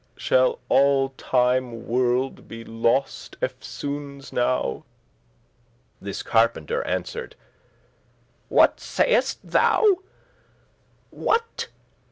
Shall all time world be lost eftsoones* now?" *forthwith This carpenter answer'd; "What sayest thou? What?